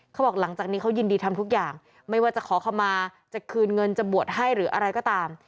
หลังจากนี้เขายินดีทำทุกอย่างไม่ว่าจะขอขมาจะคืนเงินจะบวชให้หรืออะไรก็ตาม